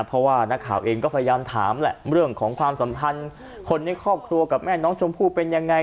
เพราะว่านักข่าวเองก็พยายามถามแหละเรื่องของความสัมพันธ์คนในครอบครัวกับแม่น้องชมพู่เป็นยังไง